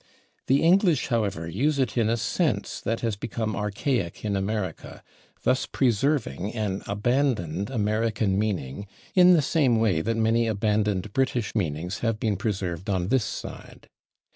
The English, however, use it in a sense that has become archaic in America, thus preserving an abandoned American meaning in the same way that many abandoned British meanings have been preserved on this side.